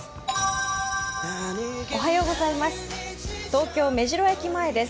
おはようございます。